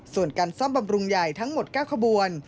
ส่วนการซ่อมบำรุงใหญ่ทั้งหมด๙ขบวน